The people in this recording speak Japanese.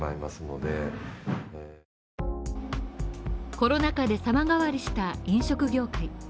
コロナ禍で様変わりした飲食業界。